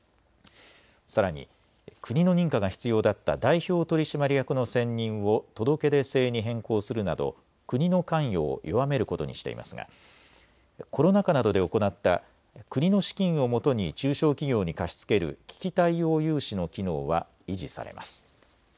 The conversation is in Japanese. さらに国の認可が必要だった代表取締役の選任を届け出制に変更するなど国の関与を弱めることにしていますがコロナ禍などで行った国の資金をもとに中小企業に貸し付ける危機対応融資の機能は維持されます。